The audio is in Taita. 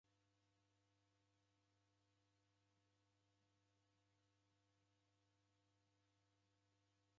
W'efwana w'imneke magome ghape seji koni erepangiloghe.